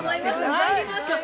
まいりましょう。